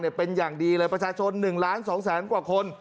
เป็นอย่างดีเลยประชาชน๑ล้าน๒แสนกว่าคน